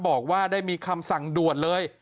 บอกว่าได้มีคำสั่งด่วนเลย